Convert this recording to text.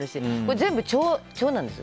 全部、腸なんですよ。